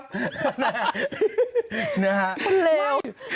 มันเลว